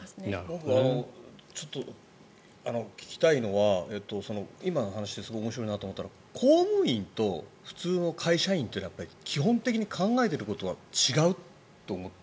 僕はちょっと聞きたいのは今の話ですごい面白いなと思ったのは公務員と普通の会社員は基本的に考えていることは違うと思って。